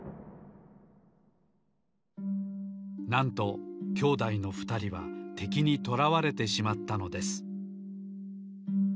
なんと兄弟のふたりはてきにとらわれてしまったのです。